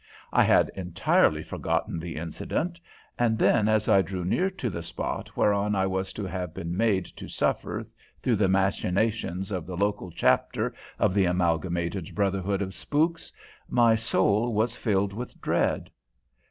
I had entirely forgotten the incident; and then, as I drew near to the spot whereon I was to have been made to suffer through the machinations of the local chapter of the Amalgamated Brotherhood of Spooks, my soul was filled with dread.